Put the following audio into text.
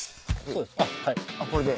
これで？